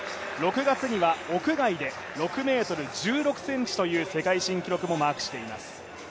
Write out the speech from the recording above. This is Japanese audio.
６月には屋外で６ｍ１６ｃｍという世界新記録もマークしています。